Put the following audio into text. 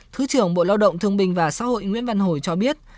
thứ trưởng bộ lao động thương binh và xã hội nguyễn văn hồi cho biết